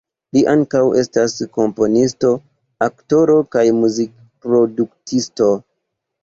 Li ankaŭ estas komponisto, aktoro kaj muzikproduktisto.